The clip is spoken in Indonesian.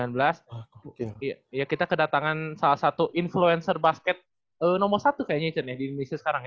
di sembilan belas kita kedatangan salah satu influencer basket nomor satu kayaknya cet ya di indonesia sekarang ya